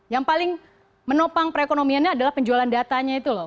yang paling menopang perekonomiannya adalah penjualan datanya itu loh